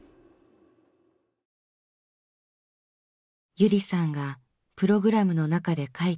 ゆりさんがプログラムの中で書いたワークシート。